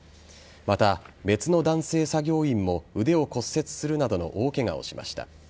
また別の男性作業員も腕を骨折するなどの大ケガをしました。